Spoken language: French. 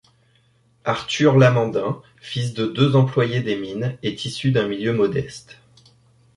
Arthur Lamendin, fils de deux employés des mines, est issu d'un milieu modeste.